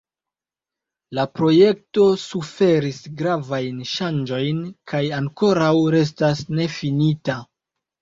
La projekto suferis gravajn ŝanĝojn kaj ankoraŭ restas nefinita.